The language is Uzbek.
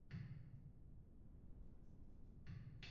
Oʻz ishimizga mehr bilan munosabatda boʻlib, undan zavqlanib ishlaylik.